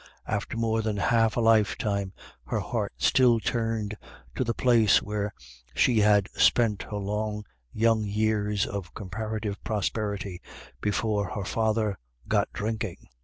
After more than half a lifetime, her heart still turned to the place where she had spent her long young years of comparative prosperity, before her father " got drinking."